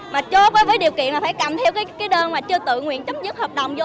mà chốt với điều kiện phải cầm theo cái đơn mà chưa tự nguyện chấm dứt hợp đồng vô